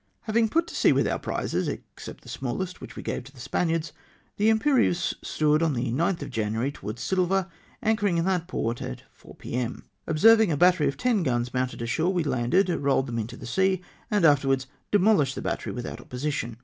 Having put to sea witli our prizes, except the smallest, which we gave to the Spaniards, — the Tm~ perieuse stood, on the 9th of January, towards Silva, anchoring in that port at 4 p.m. Observing a battery of ten guns mounted ashore, we landed, rohed them into the sea, and afterwards demohshed the battery without opposition.